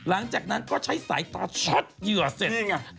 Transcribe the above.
หลังจากนั้นก็ใช้สายตาช็อตเหยื่อเสร็จไง